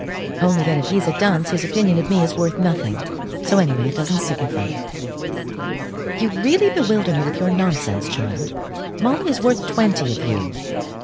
"Only that if he's a dunce his opinion of me is worth nothing. So, any way, it doesn't signify." "You really bewilder me with your nonsense, child. Molly is worth twenty of you."